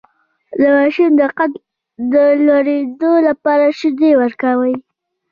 د ماشوم د قد د لوړیدو لپاره شیدې ورکړئ